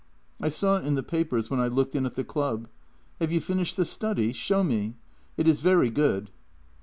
" I saw it in the papers when I looked in at the club. Have you finished the study? Show me. It is very good."